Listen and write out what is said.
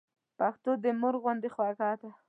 پښتو د مور غوندي خوږه ده.